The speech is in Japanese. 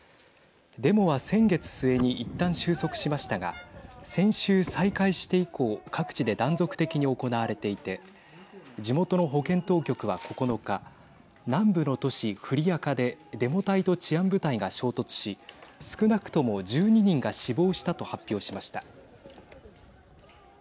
デモは先月末にいったん収束しましたが先週、再開して以降各地で断続的に行われていて地元の保健当局は９日南部の都市フリアカでデモ隊と治安部隊が衝突し少なくとも１２人が死亡したと発表しました。